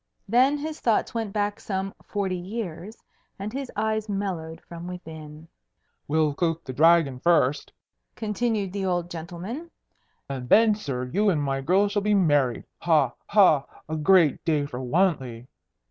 Then his thoughts went back some forty years, and his eyes mellowed from within. "We'll cook the Dragon first," continued the old gentleman, "and then, sir, you and my girl shall be married. Ha! ha! a great day for Wantley!"